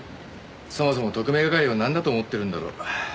そもそも特命係をなんだと思ってるんだろう。